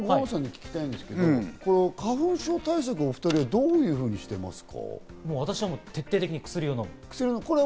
森君と五郎さんに聞きたいんですけど、花粉症対策、お２人はどのようにしてますか？